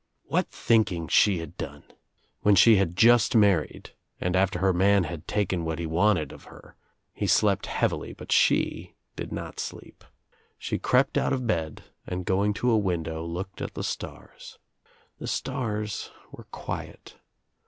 What thinking she had done I When she had just married and after her man had taken what he wanted of her he slept heavily but she did not sleep. She crept out of bed and going to a window looked at the stars. The stars were quiet.